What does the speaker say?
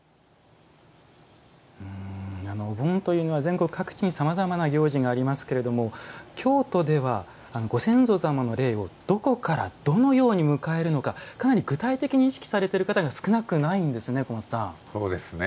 お盆というのは全国各地にさまざまな行事がありますが京都では、ご先祖様の霊をどこからどのように迎えるのかかなり具体的に意識されてる方が少なくないんですね、小松さん。